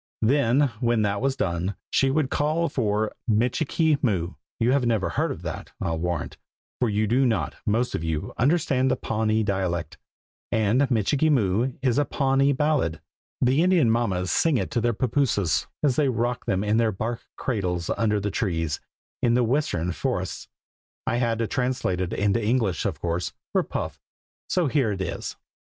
Then when that was done, she would call for "Michikee Moo." You have never heard that, I'll warrant, for you do not, most of you, understand the Pawnee dialect, and "Michikee Moo" is a Pawnee ballad. The Indian mammas sing it to their pappooses, as they rock them in their bark cradles under the trees, in the western forests. I had to translate it into English, of course, for Puff; so here it is.